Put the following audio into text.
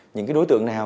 những cái đối tượng nào